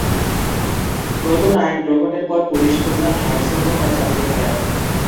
নতুন আইন গ্রহণের পর পুলিশ প্রধান হাডসনও তার চাকরি হারান।